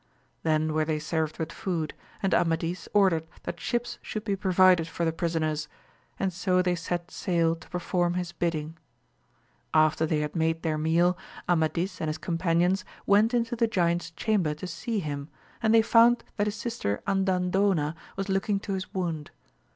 Then were they served with food, and Amadis ordered that sbips should be provided for the prisoners, and so they set sail to perform his bidding. After they had made their meal Amadis and his companions went into the giant's chamber to see him, and they found that his AMADIS OF GAUL 167 sister Andandona was looking to his wound.